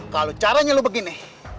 kalau caranya lu begini